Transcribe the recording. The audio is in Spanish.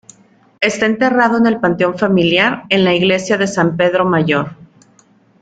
Está enterrado en el panteón familiar en la Iglesia de San Pedro Mayor.